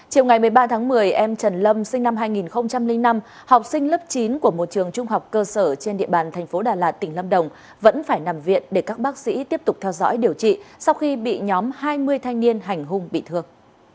chiều ngày một mươi ba tháng một mươi em trần lâm sinh năm hai nghìn năm học sinh lớp chín của một trường trung học cơ sở trên địa bàn thành phố đà lạt tỉnh lâm đồng vẫn phải nằm viện để các bác sĩ tiếp tục theo dõi điều trị sau khi bị nhóm hai mươi thanh niên hành hung bị thương